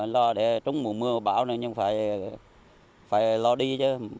lo để trúng mùa mưa bão này nhưng phải lo đi chứ